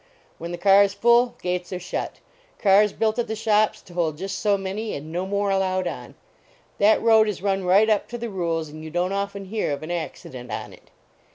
When the car s full, gates are shut; cars built at the shops to hold just so many, and no more allowed on. That road is run right up to the rules and you don t often hear of an accident on it.